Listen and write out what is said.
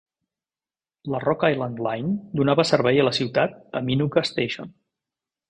La Rock Island Line donava servei a la ciutat a Minooka Station.